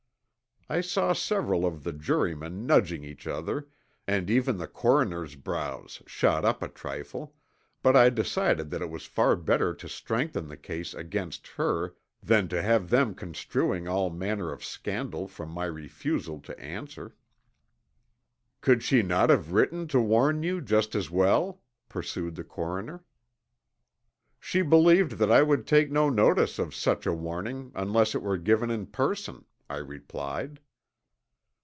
I saw several of the jurymen nudging each other and even the coroner's brows shot up a trifle, but I decided that it was far better to strengthen the case against her than to have them construing all manner of scandal from my refusal to answer. "Could she not have written to warn you, just as well?" pursued the coroner. "She believed that I would take no notice of such a warning unless it were given in person," I replied.